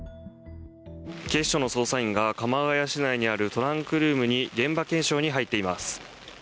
警視庁の捜査員が鎌ケ谷市内にあるトランクルームに現場検証に入っています。